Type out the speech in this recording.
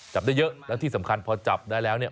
จับได้เยอะแล้วที่สำคัญพอจับได้แล้วเนี่ย